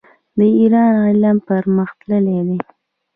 د ایران علم پرمختللی دی.